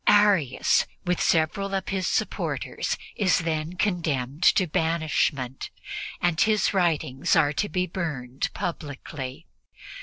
Arius, with several of his supporters, is then condemned to banishment, and his writings are to be burned publicly.